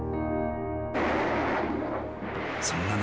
［そんな中］